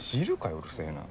うるせぇな。